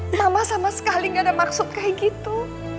nama sama sekali gak ada maksud kayak gitu